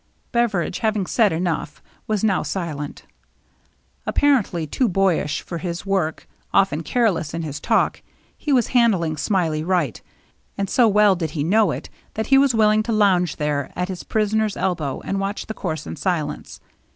Beveridge, having said enough, was now silent. Apparently too boyish for his work, often careless in his talk, he was handling Smiley right, and so well did he know it that he was willing to lounge there at his prisoner's elbow and watch the course in silence.